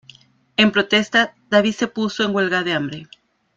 En protesta, David se puso en huelga de hambre.